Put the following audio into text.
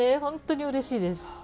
本当にうれしいです。